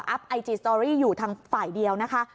ไอจีสตอรี่อยู่ทางฝ่ายเดียวนะคะ